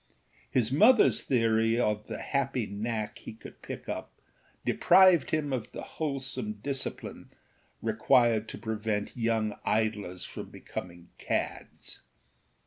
His motherâs theory of the happy knack he could pick up deprived him of the wholesome discipline required to prevent young idlers from becoming cads.